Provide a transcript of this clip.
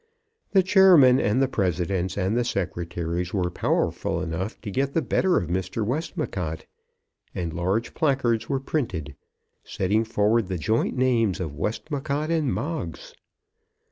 The chairmen, and the presidents, and the secretaries were powerful enough to get the better of Mr. Westmacott, and large placards were printed setting forward the joint names of Westmacott and Moggs.